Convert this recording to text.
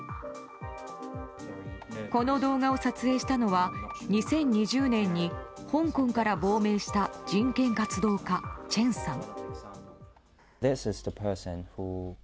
この動画を撮影したのは２０２０年に香港から亡命した人権活動家、チェンさん。